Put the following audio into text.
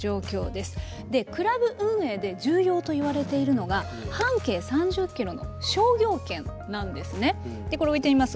でクラブ運営で重要といわれているのが半径３０キロの商業圏なんですね。でこれ置いてみます。